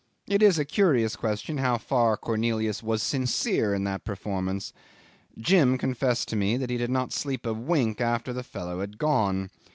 It is a curious question how far Cornelius was sincere in that performance. Jim confessed to me that he did not sleep a wink after the fellow had gone.